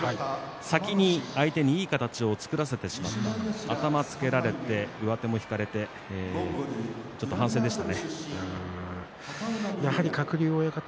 先に相手にいい形を作らせてしまった頭をつけられて、上手も引かれてちょっと反省していました。